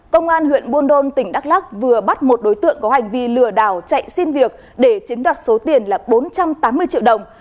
công an huyện buôn đôn tỉnh đắk lắc vừa bắt một đối tượng có hành vi lừa đảo chạy xin việc để chiếm đoạt số tiền là bốn trăm tám mươi triệu đồng